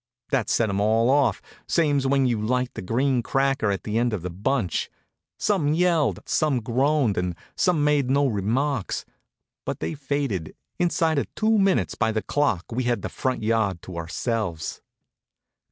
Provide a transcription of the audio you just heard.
That set 'em all off, same's when you light the green cracker at the end of the bunch. Some yelled, some groaned, and some made no remarks. But they faded. Inside of two minutes by the clock we had the front yard to ourselves.